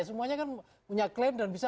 semuanya kan punya klaim dan bisa